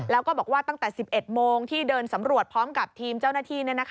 แล้วก็บอกว่าตั้งแต่๑๑โมงที่เดินสำรวจพร้อมกับทีมเจ้าหน้าที่